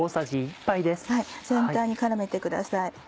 全体に絡めてください。